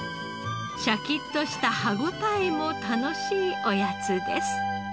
シャキッとした歯応えも楽しいおやつです。